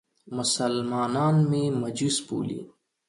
مسلمانان مې مجوس بولي.